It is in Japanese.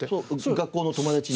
学校の友達に？